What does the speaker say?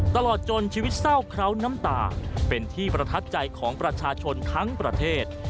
ตลอดจนชีวิตเศร้าเคล้าน้ำตาเป็นที่ประทับใจของประชาชนทั้งประเทศ